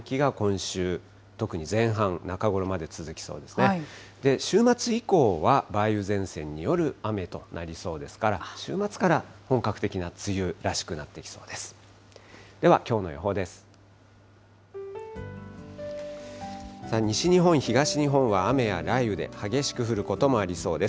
週末以降は梅雨前線による雨となりそうですから、週末から本格的な梅雨らしくなってきそうです。